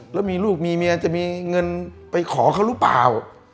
แล้วมีลูกมีเมียจะมีเงินไปขอเขาหรือเปล่า